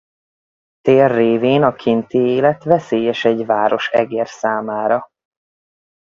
Tél révén a kinti élet veszélyes egy város egér számára.